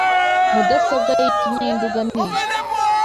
mudasobwa y’iginyanduga niyo